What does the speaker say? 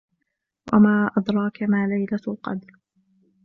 وما أدراك ما ليلة القدر